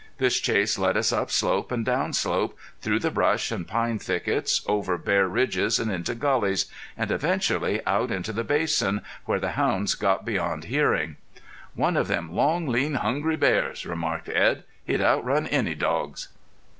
This chase led us up slope and down slope, through the brush and pine thickets, over bare ridges and into gullies; and eventually out into the basin, where the hounds got beyond hearing. "One of them long, lean, hungry bears," remarked Edd. "He'd outrun any dogs."